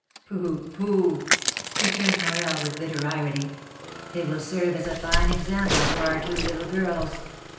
"Pooh, pooh!" returned Morel, with bitter irony; "it will serve as a fine example for our two little girls.